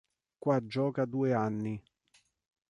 Qua gioca due anni.